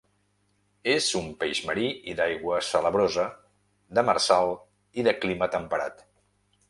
És un peix marí i d'aigua salabrosa, demersal i de clima temperat.